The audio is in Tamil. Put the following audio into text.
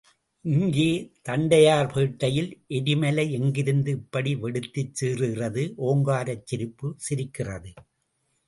இங்கே தண்டையார் பேட்டையில் எரிமலை எங்கிருந்து இப்படி வெடித்துச் சீறுகிறது ஓங்காரச் சிரிப்புச் சிரிக்கிறது..?